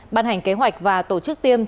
bàn hành kế hoạch và tổ chức tiêm